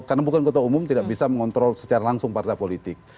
karena bukan kota umum tidak bisa mengontrol secara langsung partai politik